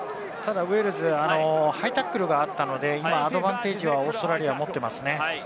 ウェールズはハイタックルがあったのでアドバンテージはオーストラリアが持っていますね。